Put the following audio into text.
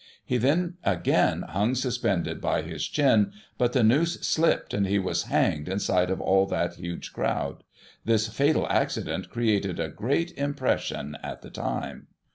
He then again hung suspended by his chin, but the noose slipped, and he was hanged in sight of all that huge crowd. This fatal accident created a great impression at the time.